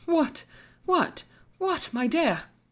What! What! my dear.